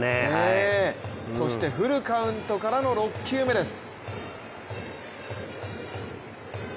そしてフルカウントからの６球目です。